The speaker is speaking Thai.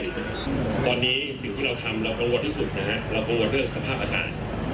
ดูตอนนี้สิ่งที่เราทำเรากำลังวดที่สุดนะครับเรากำลังวดเรื่องสภาพอาคาร